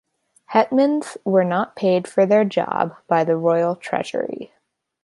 Hetmans were not paid for their job by the Royal Treasury.